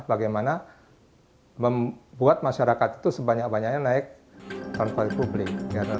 bagaimana membuat masyarakat itu sebanyak banyaknya naik transportasi publik